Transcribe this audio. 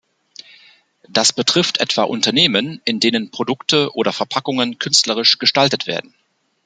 Das betrifft etwa Unternehmen, in denen Produkte oder Verpackungen künstlerisch gestaltet werden.